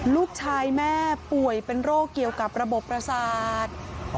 ลูกชายแม่ป่วยเป็นโรคเกี่ยวกับระบบประสาท